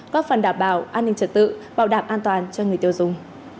góp phần đảm bảo an ninh trật tự bảo đảm an toàn cho người tiêu dùng